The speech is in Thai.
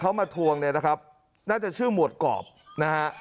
เขามาทวงเนี่ยนะครับน่าจะชื่อหมวดกรอบนะฮะ